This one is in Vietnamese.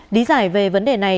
đi giải về vấn đề này